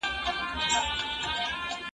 زه پرون ونې ته اوبه ورکوم!!